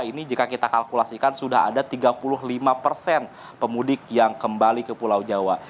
ini jika kita kalkulasikan sudah ada tiga puluh lima persen pemudik yang kembali ke pulau jawa